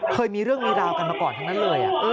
เคยมีเรื่องมีราวกันมาก่อนทั้งนั้นเลย